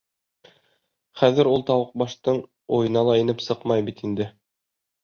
— Хәҙер ул тауыҡ баштың уйына ла инеп сыҡмай бит инде.